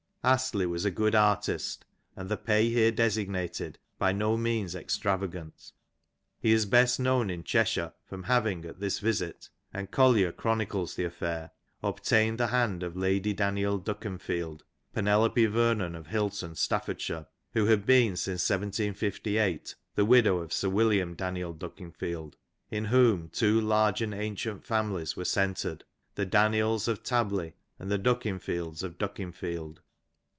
"" Astley was a good artist, and the pay here designated by no means extravagant. He is best known in Cheshire from having at this visits and Collier chroni ON THE SOUTH LANCASHIRE DIALECT. 55 des the affair, obtained the hand of Lady Daniel Dukenfield (Pene lope Vernon of Hilton, Staffordshire), who had been since 1758 the widow of Sir William Daniel Duckinfield, in whom two large and ancient families were centred, the Daniels of Tabley and the Duck infields of Duckinfield.